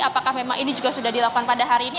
apakah memang ini juga sudah dilakukan pada hari ini